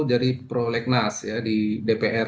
dari prolegnas ya di dpr